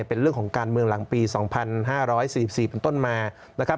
เป็นเรื่องของการเมืองหลังปี๒๕๔๔เป็นต้นมานะครับ